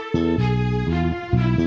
nanti gue nunggu